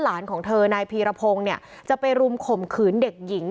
ของเธอนายพีรพงศ์เนี่ยจะไปรุมข่มขืนเด็กหญิง